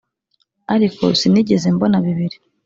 ariko sinigeze mbona bibiri